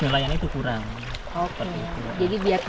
pertumbuhan idun karang tentunya membukakan usia